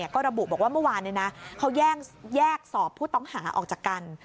ก็ระบุบอกว่าเมื่อวานเขาแยกสอบผู้ต้องหาออกจากกัน